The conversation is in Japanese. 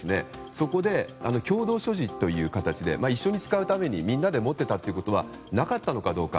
そこで共同所持という形で一緒に使うためにみんなで持っていたということはなかったのかどうか。